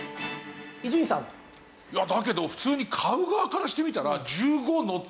いやだけど普通に買う側からしてみたら。